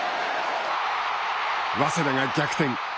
早稲田が逆転。